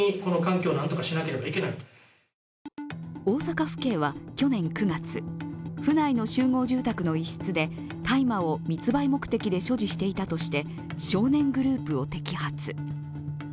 大阪府警は去年９月、府内の集合住宅の一室で大麻を密売目的で所持していたとして少年グループを摘発。